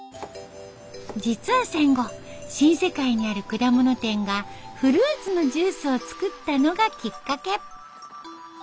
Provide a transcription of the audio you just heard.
実は戦後新世界にある果物店がフルーツのジュースを作ったのがきっかけ。